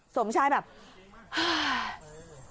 สมชายแบบฮ่า